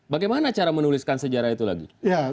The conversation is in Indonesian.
bagaimana cara menuliskan sejarah itu lagi